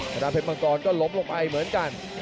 นาเพชรมังกรก็ล้มลงไปเหมือนกัน